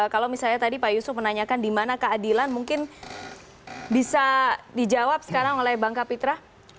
kalau misalnya tadi pak yusuf menanyakan di mana keadilan mungkin bisa dijawab sekarang oleh bang kapitra